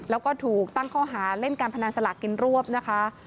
แล้วก็ถูกตั้งข้อหาเล่นการพนันสลากกินรวบนะคะ